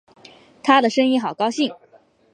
她的声音好高兴